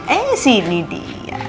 eh sini dia